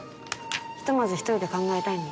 ひとまず１人で考えたいんで。